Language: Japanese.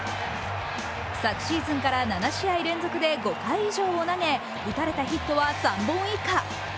昨シーズンから７試合連続で５回以上を投げ打たれたヒットは３本以下。